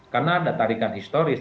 karena ada tarikan historis